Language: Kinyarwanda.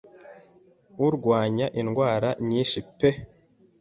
urwanya indwara nyinshi pe